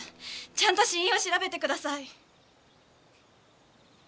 ちゃんと死因を調べてください。